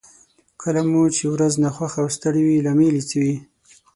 کله مو چې ورځ ناخوښه او ستړې وي لامل يې څه وي؟